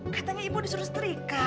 katanya ibu disuruh setrika